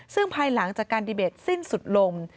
ซึ่งภายหลังจากการดีเบตสิ้นสุดลง